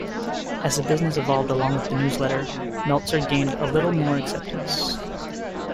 As the business evolved along with the newsletter, Meltzer gained a little more acceptance.